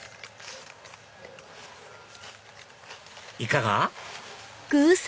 いかが？